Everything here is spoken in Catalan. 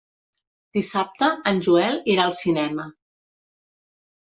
Dissabte en Joel irà al cinema.